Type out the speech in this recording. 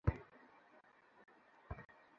বারবার আমার কাঁধে চড়ে বসতে চাইত!